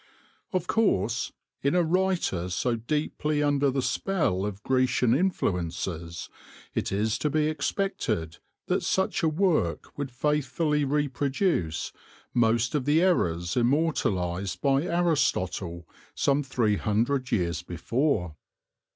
Of course, in a writer so deeply under the spell of Grecian influences, it is to be expected that such a work would faithfully reproduce most of the errors immortalised by Aristotle some three hundred years before.